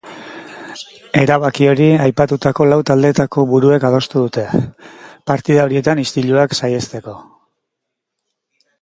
Erabaki hori aipatutako lau taldeetako buruek adostu dute, partida horietan istiluak saihesteko.